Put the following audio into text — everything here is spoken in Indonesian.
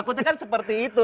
takutnya kan seperti itu